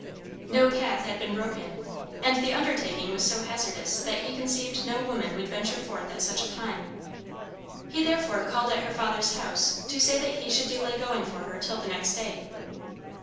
No path had been broken, and the undertaking was so hazardous that he conceived no woman would venture forth at such a time. He therefore called at her father's house to say that he should delay going for her till the next day.